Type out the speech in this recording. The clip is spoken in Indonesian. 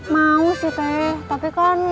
mau sih teh tapi kan